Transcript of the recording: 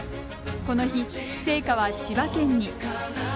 この日、聖火は千葉県に。